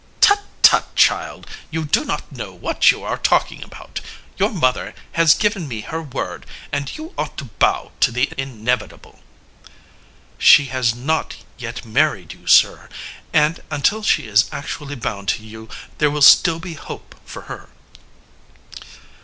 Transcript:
"Tut, tut, child, you do not know what you are talking about! Your mother has given me her word, and you ought to bow to the inevitable." "She has not yet married you, Sir, and until she is actually bound to you there will still be hope for her."